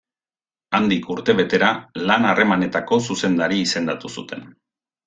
Handik urtebetera, lan-harremanetako zuzendari izendatu zuten.